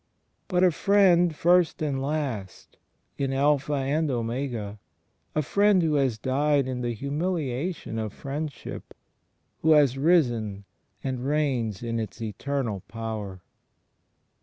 But a Friend, first and last, in Alpha and Omega; a Friend who has died in the humiUation of Friendship; who has risen and reigns in its Eternal Power.